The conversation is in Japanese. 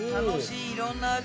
いろんな味！